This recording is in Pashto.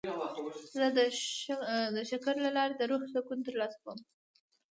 زه د شکر له لارې د روح سکون ترلاسه کوم.